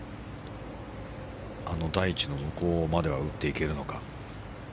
あの台地の向こうまでは打っていけるのか。